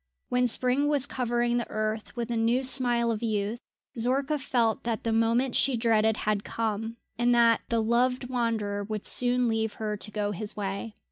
When spring was covering the earth with a new smile of youth, Zorka felt that the moment she dreaded had come, and that the loved wanderer would soon leave her to go his way.